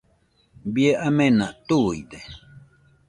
Bie amena tuide